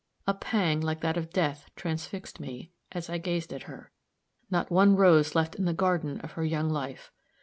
A pang like that of death transfixed me, as I gazed at her. Not one rose left in the garden of her young life!